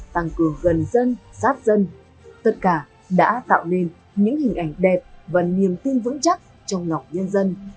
tăng cường gần dân sát dân tất cả đã tạo nên những hình ảnh đẹp và niềm tin vững chắc trong lòng nhân dân